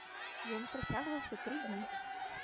Ён працягваўся тры дні.